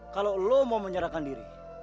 kalau lo mau menyerahkan diri